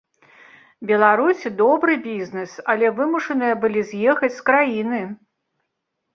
Беларусі добры бізнес, але вымушаныя былі з'ехаць з краіны.